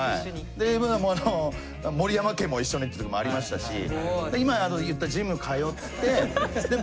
でもうあの森山家も一緒にっていうのもありましたし今言ったジム通って。